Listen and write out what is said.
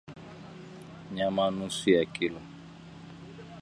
Nyama nusu ya kilo